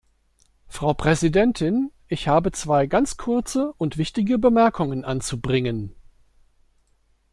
Frau Präsidentin, ich habe zwei ganz kurze und wichtige Bemerkungen anzubringen.